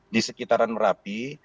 di sekitaran merapi